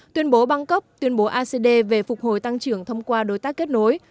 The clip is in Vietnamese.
tuyên bố bangkok tuyên bố acd về phục hồi tăng trưởng thông qua đối tác kết nối